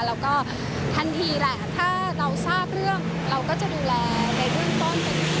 แล้วก็ทันทีแหละถ้าเราทราบเรื่องเราก็จะดูแลในเบื้องต้นทันที